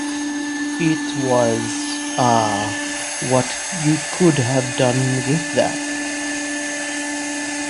It was, 'ah, what you could have done with that.